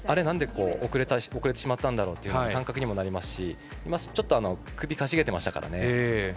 なんで遅れてしまったんだろうという感覚にもなるしちょっと今、首をかしげていましたから。